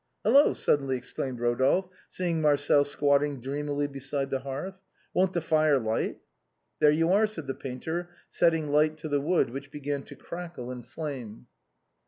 Hello !" suddenly exclaimed Eodolphe, seeing Marcel squatting dreamily beside the hearth, "won't the fire light?" "There you are," said the painter, setting light to the wood, which began to crackle and flame. musette's fancies.